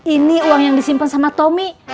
ini uang yang disimpan sama tommy